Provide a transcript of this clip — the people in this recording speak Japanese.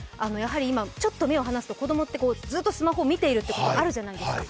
今、ちょっと目を離すと子供ってずっとスマホを見ていることって、あるじゃないですか。